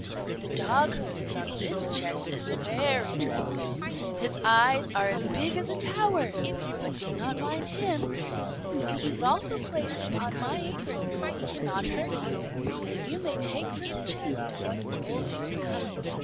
The dog who sits on this chest is very dreadful; his eyes are as big as a tower, but do not mind him. If he also is placed upon my apron, he cannot hurt you, and you may take from the chest what gold you will."